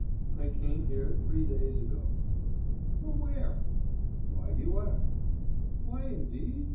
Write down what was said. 'I came here three days ago.' 'From where?' 'Why do you ask?' 'Why indeed?